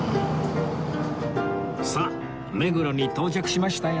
さあ目黒に到着しましたよ